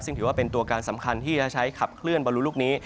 ซึ่งถือว่าเป็นตัวการสำคัญที่จะใช้ขับเคลื่อนบอลลูลูกนี้